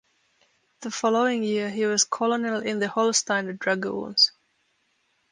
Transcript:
The following year he was a colonel in the Holstein dragoons.